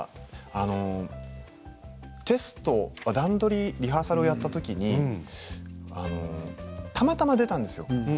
段取りリハーサルをやったときにたまたま出たんですよ。